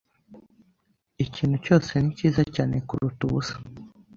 Ikintu cyose ni cyiza cyane kuruta ubusa. (saeb)